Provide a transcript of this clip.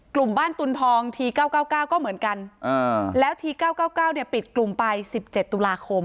กลุ่มบ้านตุนทองทีเก้าเก้าเก้าก็เหมือนกันอ่าแล้วทีเก้าเก้าเก้าเนี้ยปิดกลุ่มไปสิบเจ็ดตุลาคม